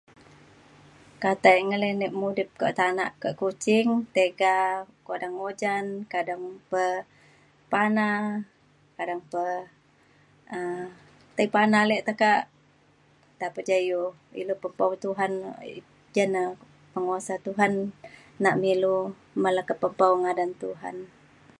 ke tai ngelinek mudip ke tanak kak Kuching tiga kadang ujan kadang pe pana kadang pe um ti pana ale tekak nta pa ja iu ilu pepau Tuhan na. ja na penusa Tuhan nak me ilu mala ke pepau ngadan Tuhan.